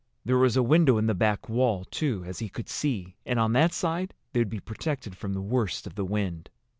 There was a window in the back wall, too, as he could see, and on that side they would be protected from the worst of the wind.